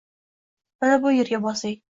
mana bu yerga bosing